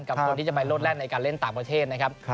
กับคนที่จะไปโลดแร่นในการเล่นต่างประเทศนะครับ